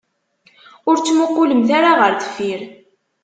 Ur ttmuqulemt ara ɣer deffir.